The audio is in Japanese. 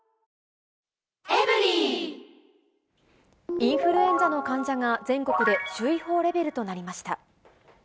インフルエンザの患者が全国で注意報レベルとなりました。